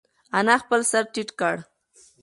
انا خپل سر ټیټ کړ.